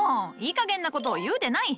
いいかげんなことを言うでない。